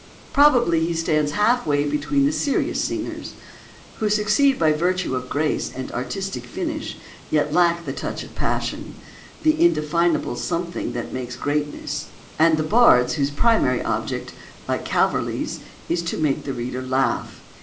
Probably he stands half way between the serious singers—who succeed by virtue of grace and artistic finish, yet lack the touch of passion, the indefinable something that makes greatness—and the bards whose primary object, like Calverley's, is to make the reader laugh.